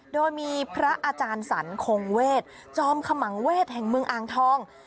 โดยมีพระอาจารย์สรรคงเวศจอมขมังเวศแห่งเมืองอ่างทอง